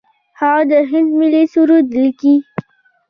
هغه د هند ملي سرود لیکلی.